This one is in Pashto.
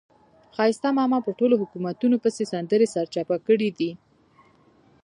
ښایسته ماما په ټولو حکومتونو پسې سندرې سرچپه کړې دي.